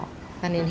ta nên hiểu một chút